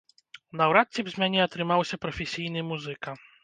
Наўрад ці б з мяне атрымаўся прафесійны музыка.